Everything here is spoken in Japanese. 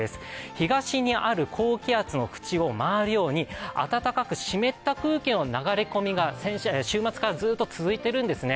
東にある高気圧の縁を回るように暖かく湿った空気の流れ込みが週末からずっと続いているんですね。